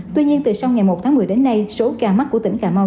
tuy nhiên từ sau ngày một tháng một mươi đến nay số ca mắc của tỉnh cà mau